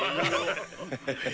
・ハハハハ！